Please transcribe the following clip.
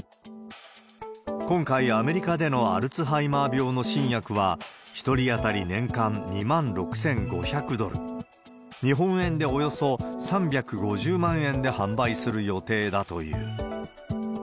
今回、アメリカでのアルツハイマー病の新薬は、１人当たり年間２万６５００ドル、日本円でおよそ３５０万円で販売する予定だという。